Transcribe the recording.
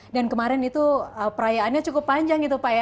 dan kemarin itu perayaannya cukup panjang gitu pak ya